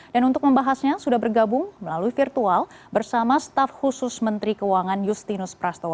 dan untuk membahasnya sudah bergabung melalui virtual bersama staff khusus menteri keuangan justinus prastowo